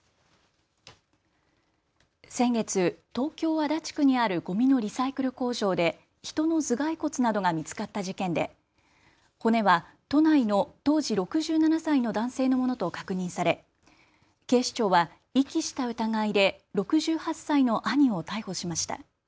先月、東京足立区にあるごみのリサイクル工場で人の頭蓋骨などが見つかった事件で骨は都内の当時６７歳の男性のものと確認され警視庁は遺棄した疑いで６８歳の兄を逮捕しました。